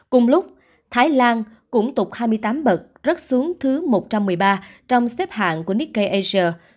cùng lúc thái lan cũng tục hai mươi tám bậc rớt xuống thứ một trăm một mươi ba trong xếp hạng của nikkei asia